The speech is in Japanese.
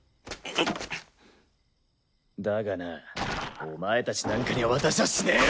だがなお前たちなんかに渡しゃしねえよ！